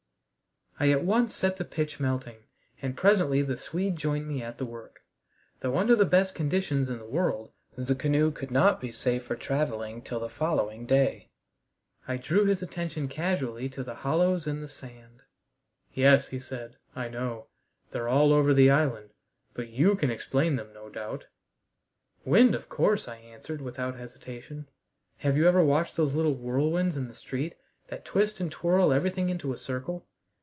I at once set the pitch melting, and presently the Swede joined me at the work, though under the best conditions in the world the canoe could not be safe for traveling till the following day. I drew his attention casually to the hollows in the sand. "Yes," he said, "I know. They're all over the island. But you can explain them, no doubt!" "Wind, of course," I answered without hesitation. "Have you never watched those little whirlwinds in the street that twist and twirl everything into a circle?